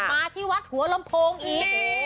มาที่วัดหัวลำโพงอีก